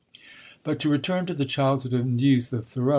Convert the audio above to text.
But to return to the childhood and youth of Thoreau.